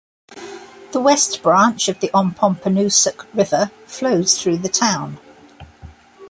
The West Branch of the Ompompanoosuc River flows through the town.